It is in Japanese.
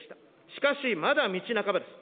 しかし、まだ道半ばです。